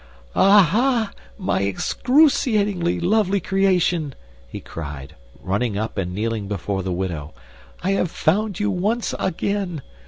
"Aha, my excruciatingly lovely creation!" he cried, running up and kneeling before the widow; "I have found you once again.